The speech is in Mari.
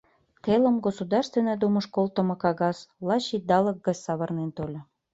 Телым Государственный думыш колтымо кагаз лач идалык гыч савырнен тольо.